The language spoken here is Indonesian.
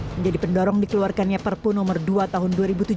menjadi pendorong dikeluarkannya perpu nomor dua tahun dua ribu tujuh belas